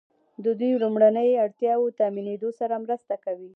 د دوی لومړنیو اړتیاوو تامینیدو سره مرسته کوي.